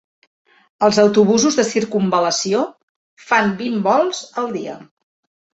Els autobusos de circumval·lació fan vint volts al dia.